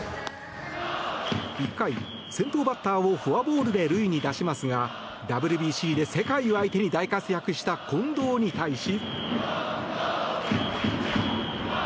１回、先頭バッターをフォアボールで塁に出しますがＷＢＣで世界を相手に大活躍した近藤に対し。